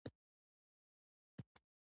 خو هېڅکله مې کومه ستونزه نه ده لرلې